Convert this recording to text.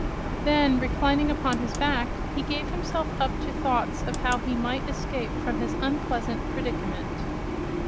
Then, reclining upon his back, he gave himself up to thoughts of how he might escape from his unpleasant predicament.